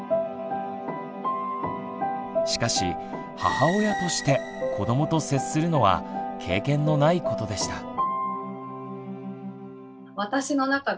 しかし母親として子どもと接するのは経験のないことでした。